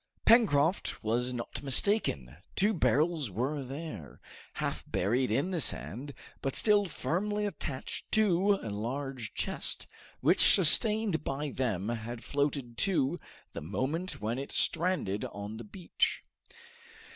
Pencroft was not mistaken. Two barrels were there, half buried in the sand, but still firmly attached to a large chest, which, sustained by them, had floated to the moment when it stranded on the beach.